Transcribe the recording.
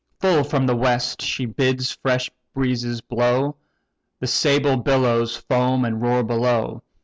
Full from the west she bids fresh breezes blow; The sable billows foam and roar below.